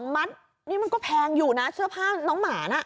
มัดนี่มันก็แพงอยู่นะเสื้อผ้าน้องหมาน่ะ